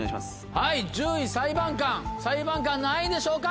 はい１０位裁判官裁判官何位でしょうか？